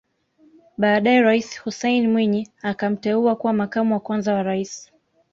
Baadae Rais Hussein Mwinyi akamteua kuwa makamu wa kwanza wa Rais